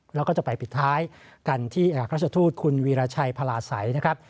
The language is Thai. แล้วก็จะไปปิดท้ายกันที่เอกราชทูตคุณวีรชัยพลาสัยนะครับ